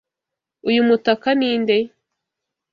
Uyu mutaka ni nde?